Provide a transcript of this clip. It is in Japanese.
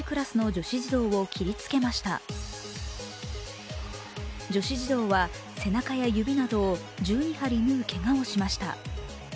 女子児童は背中や指などを１２針縫うけがをしました。